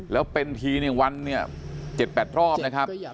แล้วเป็นทีเนี่ยวันเนี่ย๗๘รอบนะครับ